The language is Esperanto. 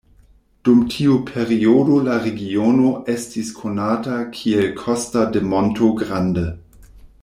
Dum tiu periodo la regiono estis konata kiel Costa de Monto Grande.